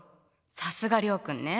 さすが諒君ね。